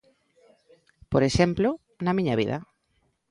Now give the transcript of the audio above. Por exemplo, na miña vida.